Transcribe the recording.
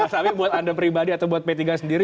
tapi buat anda pribadi atau buat p tiga sendiri